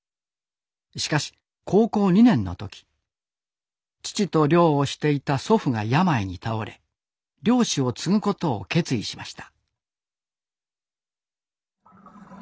しかし高校２年の時父と漁をしていた祖父が病に倒れ漁師を継ぐことを決意しました。